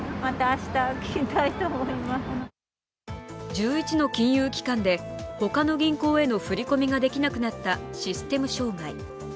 １１の金融機関で他の銀行への振り込みができなくなったシステム障害。